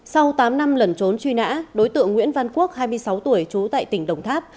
sau tám năm lẩn trốn truy nã đối tượng nguyễn văn quốc hai mươi sáu tuổi trú tại tỉnh đồng tháp